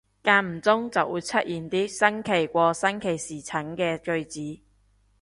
間唔中就會出現啲新奇過新奇士橙嘅句子